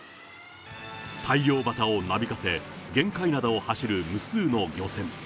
大漁旗をなびかせ、玄界灘を走る無数の漁船。